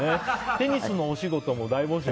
テニスのお仕事も大募集？